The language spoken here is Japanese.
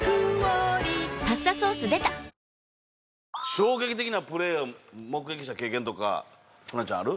衝撃的なプレーを目撃した経験とか春奈ちゃんある？